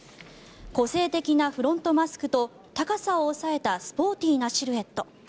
個性的なフロントマスクと高さを抑えたスポーティーなシルエット。